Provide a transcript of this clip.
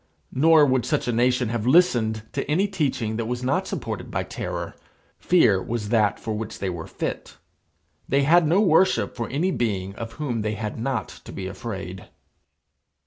Nor would such a nation have listened to any teaching that was not supported by terror. Fear was that for which they were fit. They had no worship for any being of whom they had not to be afraid.